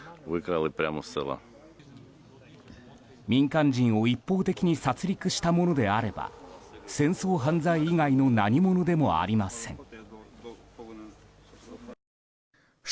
民間人を一方的に殺りくしたものであれば戦争犯罪以外の何物でもありません。